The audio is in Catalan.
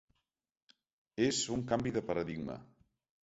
És un canvi de paradigma.